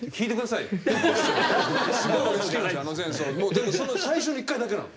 でもその最初の１回だけなの。